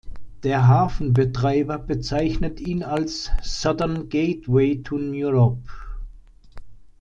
Der Hafenbetreiber bezeichnet ihn als "Southern Gateway to Europe".